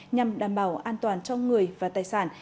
nhằm đảm bảo an toàn cho người và tài sản